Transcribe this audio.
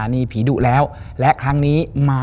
และในค่ำคืนวันนี้แขกรับเชิญที่มาเยี่ยมสักครั้งครับ